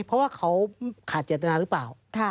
เพราะว่าเขาขาดเจตนาหรือเปล่า